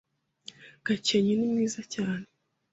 Gakenke ni mwiza cyane.